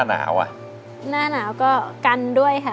ทั้งในเรื่องของการทำงานเคยทำนานแล้วเกิดปัญหาน้อย